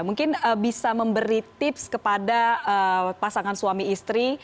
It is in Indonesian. mungkin bisa memberi tips kepada pasangan suami istri